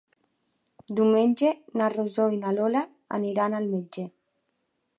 Diumenge na Rosó i na Lola aniran al metge.